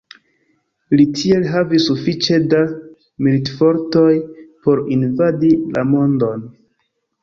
Li tiel havis sufiĉe da militfortoj por invadi la mondon.